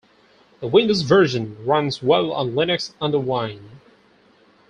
The Windows version runs well on Linux under Wine.